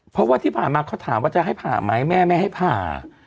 เพราะว่าที่ผ่านมาเขาถามว่าจะให้ผ่าไหมแม่ไม่ให้ผ่า